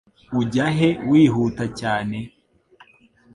Ujya he wihuta cyane?